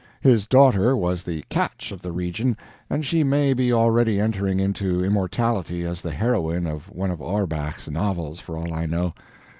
His daughter was the "catch" of the region, and she may be already entering into immortality as the heroine of one of Auerbach's novels, for all I know.